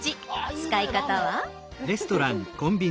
使い方は。